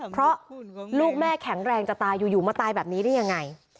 เพราะลูกแม่แข็งแรงจะตายอยู่มาตายแบบนี้ได้ยังไง